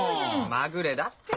まぐれだって。